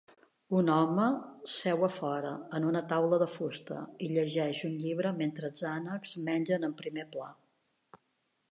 Un home seu a fora, en una taula de fusta, i llegeix un llibre mentre els ànecs mengen en primer pla.